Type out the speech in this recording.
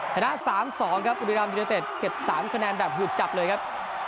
ชนะ๓๒ครับบุรีรัมยูเนเต็ดเก็บ๓คะแนนแบบหืดจับเลยครับ